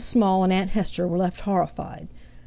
Small and Aunt Hester were left horrified.